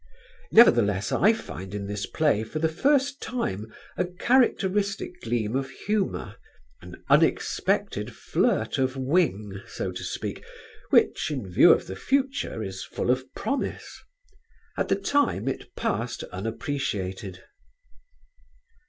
Nevertheless I find in this play for the first time, a characteristic gleam of humour, an unexpected flirt of wing, so to speak, which, in view of the future, is full of promise. At the time it passed unappreciated.